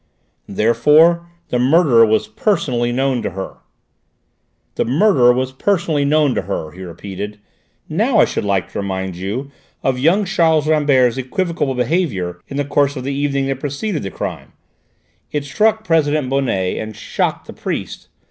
Therefore the murderer was personally known to her!" "The murderer was personally known to her," he repeated. "Now I should like to remind you of young Charles Rambert's equivocal behaviour in the course of the evening that preceded the crime. It struck President Bonnet and shocked the priest.